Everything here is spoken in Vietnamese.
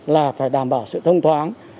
là phải đảm bảo sự thông thoáng